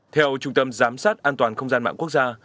theo trung tâm giám sát an toàn không gian mạng quốc gia